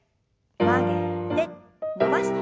曲げて伸ばして。